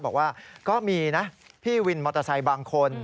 บอกว่าก็มีนะพี่วินมอเตอร์ไซค์บางคน